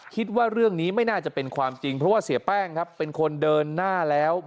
คิดว่าเรื่องนี้ไม่น่าจะเป็นความจริงเพราะว่าเสียแป้งครับเป็นคนเดินหน้าแล้ว